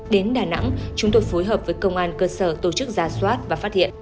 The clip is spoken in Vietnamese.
đến đà nẵng chúng tôi phối hợp với công an cơ sở tổ chức ra soát và phát hiện